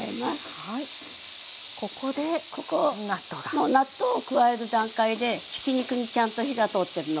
もう納豆を加える段階でひき肉にちゃんと火が通ってるの確認してね。